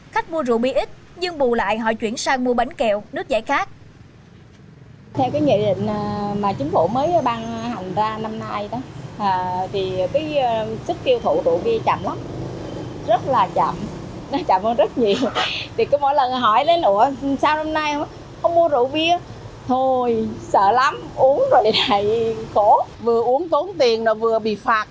khách mua rượu bia ít nhưng bù lại họ chuyển sang mua bánh kẹo nước giải khác